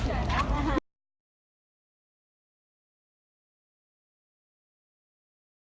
ก็คือเรื่องเหลือง่ายมีใครต้องมีการคุยกัน